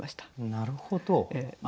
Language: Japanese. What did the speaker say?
なるほど。